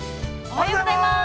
おはようございます。